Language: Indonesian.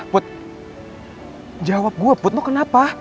put jawab gue put lo kenapa